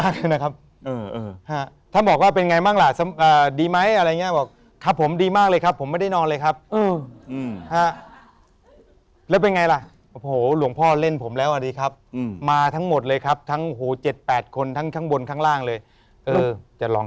ก็ยังฟังไม่ได้สับเป็นภาษายังไงแบบ